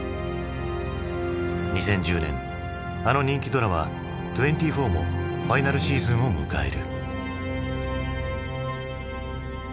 ２０１０年あの人気ドラマ「２４−ＴＷＥＮＴＹＦＯＵＲ−」もファイナルシーズンを迎える。